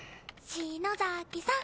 篠崎さん！